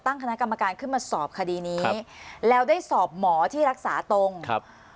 ตั้งคณะกรรมการขึ้นมาสอบคดีนี้แล้วได้สอบหมอที่รักษาตรงครับ